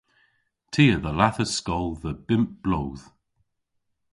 Ty a dhallathas skol dhe bymp bloodh.